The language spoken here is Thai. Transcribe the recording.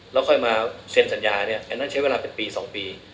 แล้วค่อยมาเซ็นสัญญาเนี่ยอันนั้นใช้เวลาเป็นปี๒ปี